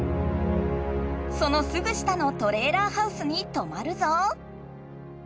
そのすぐ下のトレーラーハウスにとまるぞ。